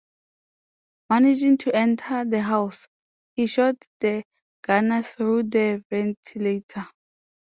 Managing to enter the house, he shot the gunner through the ventilator.